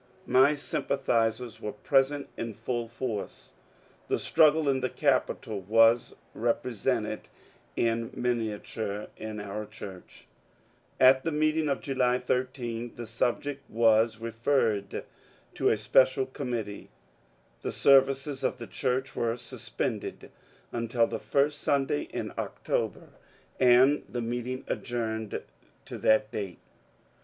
My sympathizers were present in full force. The struggle in the Capitol was represented in minia ture in our church. At the meeting of July 13 the subject was referred to a special committee. The services of the church were suspended until the first Sunday in October, and the meeting adjourned to that date.